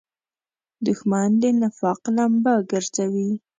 دښمن د نفاق لمبه ګرځوي